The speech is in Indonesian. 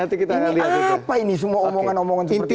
ini apa ini semua omongan omongan seperti itu